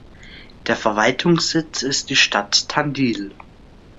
Der Verwaltungssitz ist die Stadt Tandil.